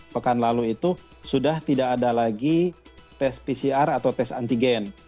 pekan lalu itu sudah tidak ada lagi tes pcr atau tes antigen